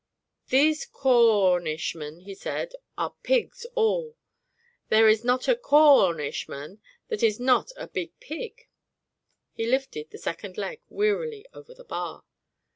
"These Cor rnishmen," he said, "are pigs all. There is not a Cor rnishman that is not a big pig." He lifted the second leg wearily over the bar.